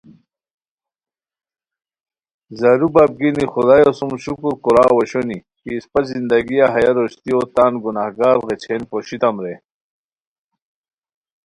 زارو بپ گینی خدایو سُم شکر کوراؤ اوشونی کی اِسپہ زندگیہ ہیہ روشتیو تان گنہگار غیچھین پوشیتام رے